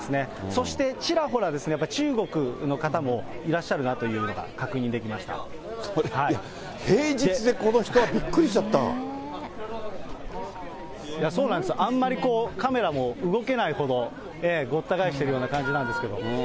そしてちらほらやっぱり中国の方もいらっしゃるなというのが確認いや、平日でこの人はびっくそうなんです、あんまりカメラも動けないほどごった返しているような感じなんですけれども。